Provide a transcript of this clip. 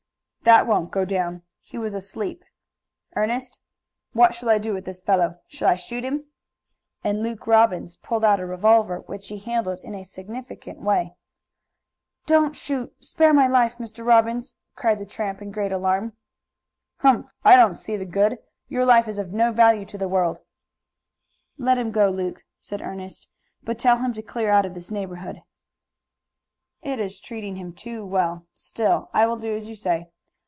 "That won't go down. He was asleep. Ernest, what shall I do with this fellow? Shall I shoot him?" and Luke Robbins pulled out a revolver, which he handled in a significant way. "Don't shoot! Spare my life, Mr. Robbins!" cried the tramp in great alarm. "Humph! I don't see the good. Your life is of no value to the world." "Let him go, Luke," said Ernest, "but tell him to clear out of this neighborhood." "It is treating him too well. Still, I will do as you say.